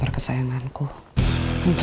on sisi lebay charge